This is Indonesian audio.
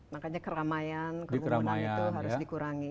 makanya keramaian kerumunan itu harus dikurangi